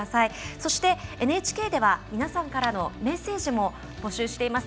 そしてＮＨＫでは皆さんからのメッセージも募集しています。